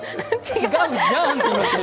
違うじゃんって言いました？